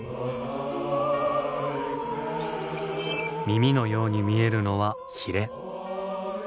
耳のように見えるのはヒレ。